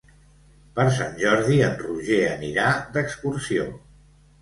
Per Sant Jordi en Roger anirà d'excursió.